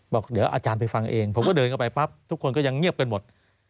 บอกเดี๋ยวอาจารย์ไปฟังเองผมก็เดินเข้าไปปั๊บทุกคนก็ยังเงียบกันหมด